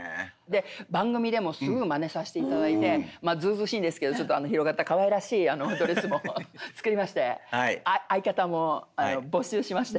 番組でもすぐまねさせて頂いてずうずうしいんですけどちょっと広がったかわいらしいドレスも作りまして相方も募集しまして。